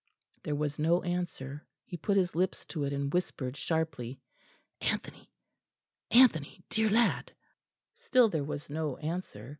There was no answer; he put his lips to it and whispered sharply: "Anthony, Anthony, dear lad." Still there was no answer.